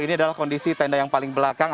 ini adalah kondisi tenda yang paling belakang